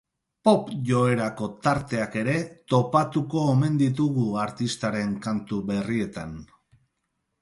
Pop joerako tarteak ere topatuko omen ditugu artistaren kantu berrietan.